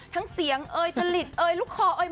ทั้งเสียงอ่ะเหล็กลีบ